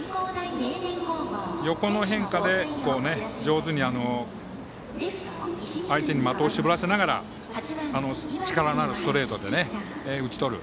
横の変化球で上手に相手に的を絞らせながら力のあるストレートで打ち取る。